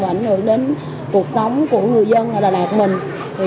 ảnh hưởng đến cuộc sống của người dân ở đà lạt mình